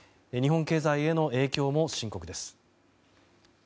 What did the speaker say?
日本経済への影響も深刻です。